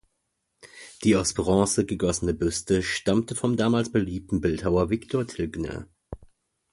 Die aus Bronze gegossene Büste stammte vom damals beliebten Bildhauer Viktor Tilgner.